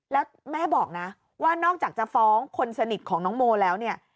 แล้วแม่บอกนะว่านอกจากจะฟ้องคนสนิทของน้องโมแล้วเนี่ย